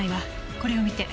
これを見て。